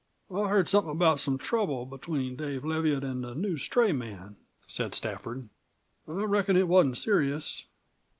"I heard something about some trouble between Dave Leviatt an' the new stray man," said Stafford. "I reckon it wasn't serious?"